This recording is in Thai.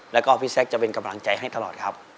แล้วก็พี่แซคจะเป็นกำลังใจให้ตลอดครับ